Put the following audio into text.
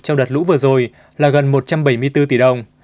trong đợt lũ vừa rồi là gần một trăm bảy mươi bốn tỷ đồng